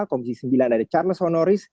komisi sembilan ada charles honoris